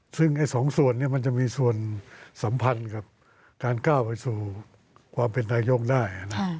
ซึ่งสองส่วนมันจะมีส่วนสัมพันธ์กับการก้าวไปสู่ความเป็นนายกได้